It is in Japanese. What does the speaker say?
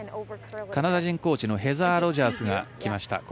カナダ人コーチのヘザー・ロジャーズが来ました。